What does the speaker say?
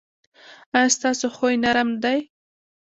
ایا ستاسو خوی نرم دی؟